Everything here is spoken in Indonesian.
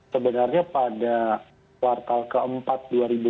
sebenarnya pada kuartal keempat dua ribu dua puluh